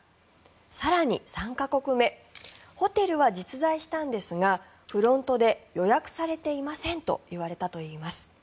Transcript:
更に３か国目ホテルは実在したんですがフロントで予約されていませんと言われたといいます。